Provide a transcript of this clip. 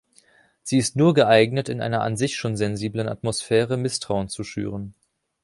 Sie ist nur geeignet, in einer an sich schon sensiblen Atmosphäre Misstrauen zu schüren.